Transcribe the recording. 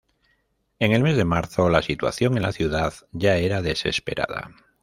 En el mes de marzo la situación en la ciudad ya era desesperada.